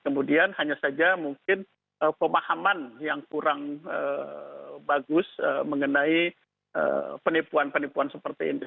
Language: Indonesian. kemudian hanya saja mungkin pemahaman yang kurang bagus mengenai penipuan penipuan seperti ini